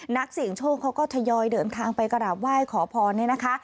นักศิลป์โชคเขาก็ทะยอยเดินทางไปกระราบไหว้ขอพอนนะคะ